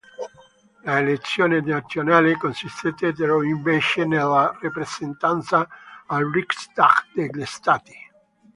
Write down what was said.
Le elezioni nazionali consistettero invece nella rappresentanza al Riksdag degli Stati.